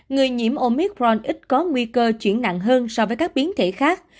người nhiễm omicron ít có nguy cơ chuyển nặng hơn so với các biến thể khác